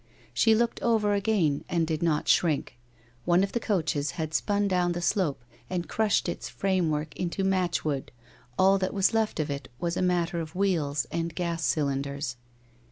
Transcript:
She looked over again and did not shrink. One of the coaches had spun down the slope and crushed its frame work into match wood, all that was left of it was a matter of wheels and gas cylinders.